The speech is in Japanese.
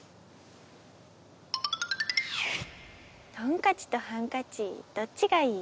トンカチとハンカチどっちがいい？